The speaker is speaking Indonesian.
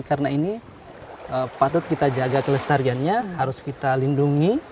karena ini patut kita jaga kelestariannya harus kita lindungi